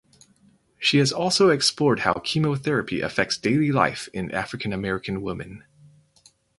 She has also explored how chemotherapy affects daily life in African American women.